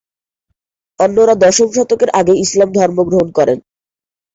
অন্যরা দশম শতকের আগেই ইসলাম ধর্ম গ্রহণ করে।